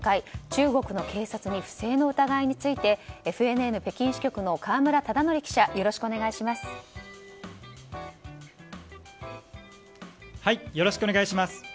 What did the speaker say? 中国の警察に不正の疑いについてＦＮＮ北京支局の河村忠徳記者よろしくお願いします。